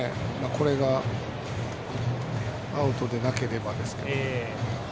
これがアウトでなければですが。